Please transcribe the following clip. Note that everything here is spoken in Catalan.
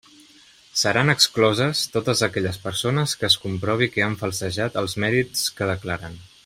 Seran excloses totes aquelles persones que es comprovi que han falsejat els mèrits que declaren.